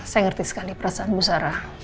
saya ngerti sekali perasaan bu sarah